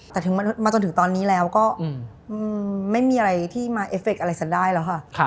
แต่มาจนถึงตอนนี้แล้วก็ไม่มีอะไรที่มาเอฟเฟคอะไรฉันได้แล้วค่ะ